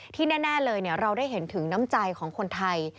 ที่แน่เลยเราได้เห็นถึงน้ำใจของคนไทย